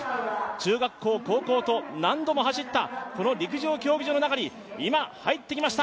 中学校、高校と何度も走った陸上競技場の中に今、入ってきました。